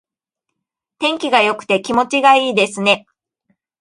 天気が良くて気持ちがいいですね。